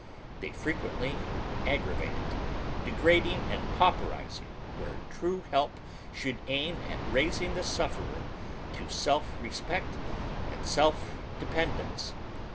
They frequently aggravate it, degrading and pauperiz ing where trne help should aim at raising the sufferer to self reapeet and self dependence.